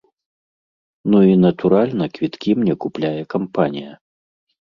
Ну і, натуральна, квіткі мне купляе кампанія.